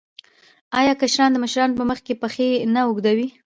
آیا کشران د مشرانو په مخ کې پښې نه اوږدوي؟